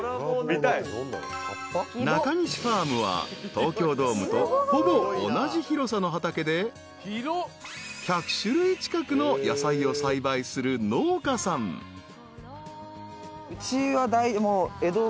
［中西ファームは東京ドームとほぼ同じ広さの畑で１００種類近くの野菜を栽培する農家さん］えっ？